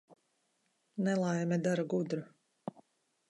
Nelaime dara gudru.